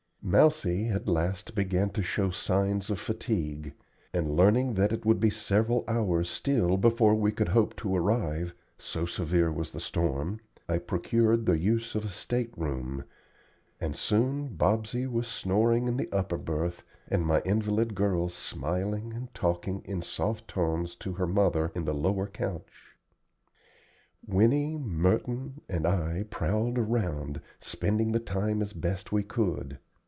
Mousie at last began to show signs of fatigue; and learning that it would be several hours still before we could hope to arrive, so severe was the storm, I procured the use of a state room, and soon Bobsey was snoring in the upper berth, and my invalid girl smiling and talking in soft tones to her mother in the lower couch. Winnie, Merton, and I prowled around, spending the time as best we could.